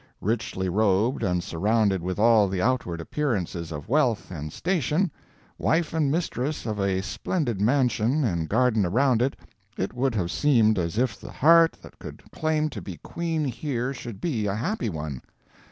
Richly robed and surrounded with all the outward appearances of wealth and station, wife and mistress of a splendid mansion and garden around it, it would have seemed as if the heart that could claim to be queen here should be a happy one.